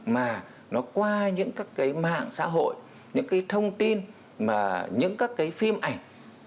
mà nó qua những các cái mạng xã hội những cái thông tin mà những các cái phim ảnh